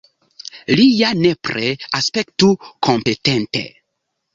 Li ja nepre aspektu kompetente.